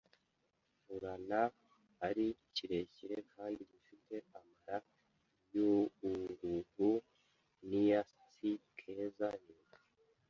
Urana ari kirekire kandi gifite amara y’uururu n’iyatsi Keza: Yego